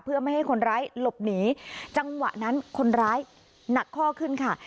เพื่อไม่ให้คนร้ายหลบหนีจังหวะนั้นคนร้ายหนักข้อขึ้นค่ะ